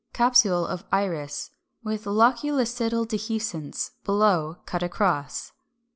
395. Capsule of Iris, with loculicidal dehiscence; below, cut across.